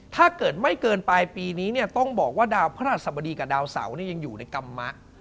ถ้าเกิดไม่เกินปลายปีนี้เนี่ยต้องบอกว่าดาวพระราชสบดีกับดาวเสายังอยู่ในกรรมะ